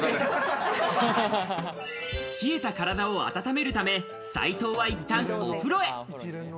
冷えた体を温めるため、斉藤はいったんお風呂へ。